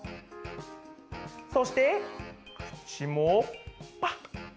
そしてくちもパッ！